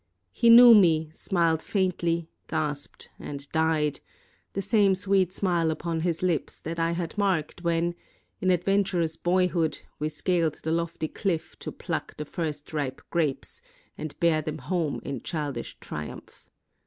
He knew me, smiled faintly, gasped, and died; the same sweet smile upon his lips that I had marked when, in adventurous boyhood, we scaled the lofty cliff to pluck the first ripe grapes and bear them home in child ish triumph.